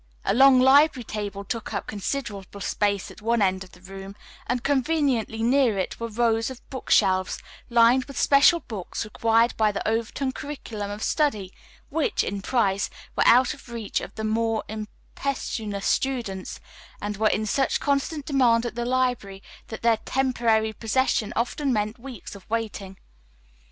A long library table took up considerable space at one end of the room, and conveniently near it were rows of book shelves, lined with special books required by the Overton curriculum of study, which, in price, were out of reach of the more impecunious students, and were in such constant demand at the library that their temporary possession often meant weeks of waiting.